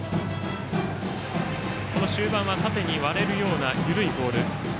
この終盤は縦に割れるような緩いボール。